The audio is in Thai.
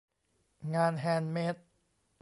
งานแฮนด์เมด